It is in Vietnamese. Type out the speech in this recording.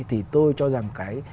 thì tôi cho rằng cái